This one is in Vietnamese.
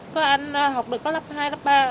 có anh học được có lớp hai lớp ba